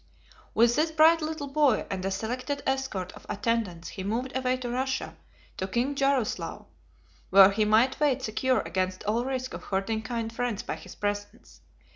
With this bright little boy, and a selected escort of attendants, he moved away to Russia, to King Jarroslav; where he might wait secure against all risk of hurting kind friends by his presence.